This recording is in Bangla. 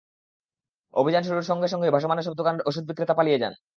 অভিযান শুরুর সঙ্গে সঙ্গেই ভাসমান এসব দোকানের ওষুধ বিক্রেতা পালিয়ে যান।